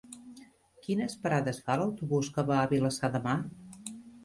Quines parades fa l'autobús que va a Vilassar de Mar?